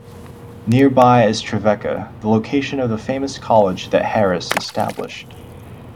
Nearby is Trevecca the location of the famous college that Harris established.